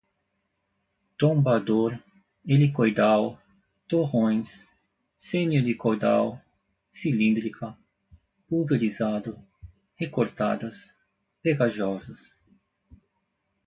tombador, helicoidal, torrões, semi-helicoidal, cilíndrica, pulverizado, recortadas, pegajosos